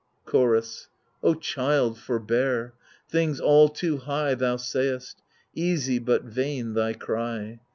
Chorus O child, forbear ! things all too high thou sayest Easy, but vain, thy cry